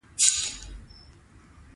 علم د اخلاقي روزنې اساس دی.